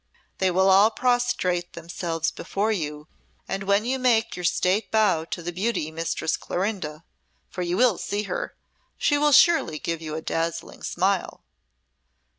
They will all prostrate themselves before you, and when you make your state bow to the beauty, Mistress Clorinda for you will see her she will surely give you a dazzling smile."